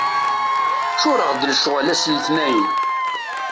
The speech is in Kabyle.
Ččuṛeɣ d lecɣal ass n letnayen.